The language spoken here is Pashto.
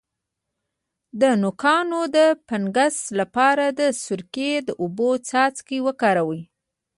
د نوکانو د فنګس لپاره د سرکې او اوبو څاڅکي وکاروئ